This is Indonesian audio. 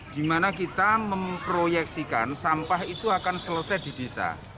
di mana kita memproyeksikan sampah itu akan selesai di desa